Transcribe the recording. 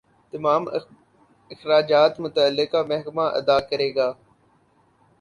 تمام اخراجات متعلقہ محکمہ ادا کرے گا۔